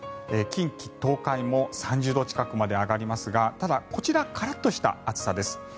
近畿、東海も３０度近くまで上がりますがただ、こちらカラッとした暑さです。